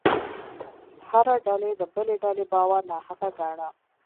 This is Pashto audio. هره ډلې د بلې ډلې باور ناحقه ګاڼه.